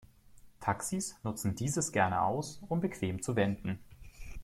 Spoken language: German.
Taxis nutzen dieses gerne aus, um bequem zu wenden.